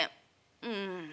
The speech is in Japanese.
うん。